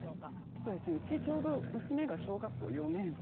そうですねうちちょうど娘が小学校４年生で。